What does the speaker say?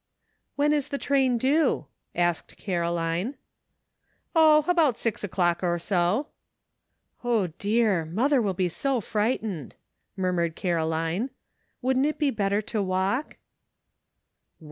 "When is the train due?" asked Caroline. " Oh ! about six o'clock or so." "O, dear! mother will be so frightened," murmured Caroline. "Wouldn't it be better to walk?"